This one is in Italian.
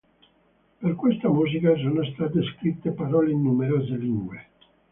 Per questa musica sono state scritte parole in numerose lingue.